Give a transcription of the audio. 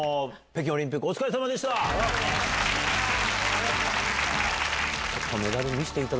北京オリンピック、お疲れさまでした。